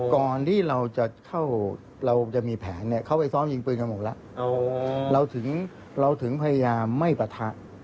ก่อนที่เราจะเข้าเราจะมีแผนเนี่ยเขาไปซ้อมยิงปืนกันหมดแล้วเราถึงเราถึงพยายามไม่ปะทะ